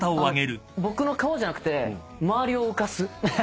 僕の顔じゃなくて周りを浮かす。